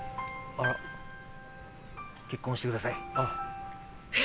結婚してください。